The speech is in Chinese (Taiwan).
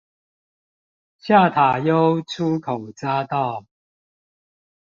下塔悠出口匝道